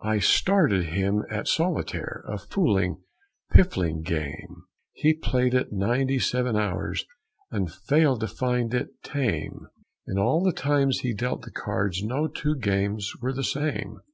I started him at solitaire, a fooling, piffling game. He played it ninety seven hours and failed to find it tame. In all the times he dealt the cards no two games were the same.